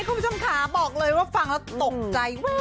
วันนี้คุณผู้ชมขาบอกเลยว่าฟังแล้วตกใจ